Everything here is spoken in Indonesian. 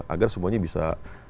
agar semuanya bisa